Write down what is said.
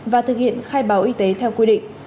và thực hiện khai báo y tế theo quy định